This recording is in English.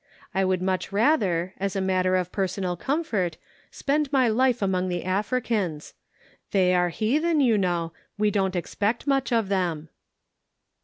I would much rather, as a matter of personal comfort, spend my life among the Africans. They are heathen, you know we don't expect much of them."